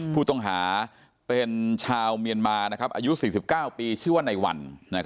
ผู้ต้องหาเป็นชาวเมียนมาอายุ๔๙ปีชื่อว่าในวัน